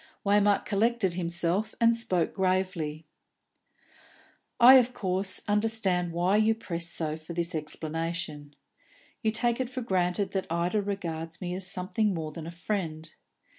Waymark collected himself, and spoke gravely. "I, of course, understand why you press so for this explanation. You take it for granted that Ida regards me as something more than a friend.